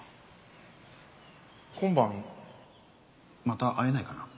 今晩また会えないかな？